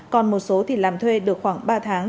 còn một số thì làm thuê được khoảng ba tháng